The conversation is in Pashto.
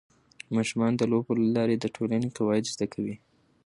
ماشومان د لوبو له لارې د ټولنې قواعد زده کوي.